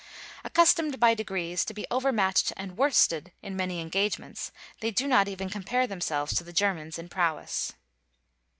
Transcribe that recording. Accustomed by degrees to be overmatched and worsted in many engagements, they do not even compare themselves to the Germans in prowess.